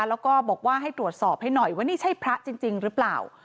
แล้วก็บอกว่าให้ตรวจสอบให้หน่อยว่านี่ใช่พระจริงหรือเปล่า